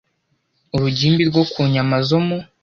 urugimbu rwo ku nyama zo mu